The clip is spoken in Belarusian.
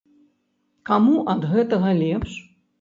Каму ад гэтага лепш?